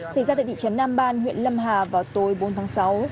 xảy ra tại thị trấn nam ban huyện lâm hà vào tối bốn tháng sáu